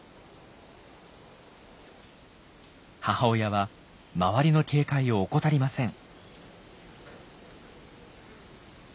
母親は周りの警戒を怠りません。